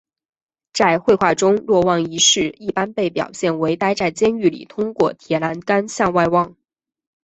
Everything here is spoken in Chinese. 在绘画中若望一世一般被表现为待在监狱里通过铁栏杆向外望。